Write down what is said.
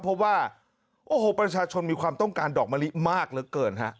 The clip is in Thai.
เพราะว่าโอ้โหประชาชนมีความต้องการดอกมะลิมากเหลือเกินฮะ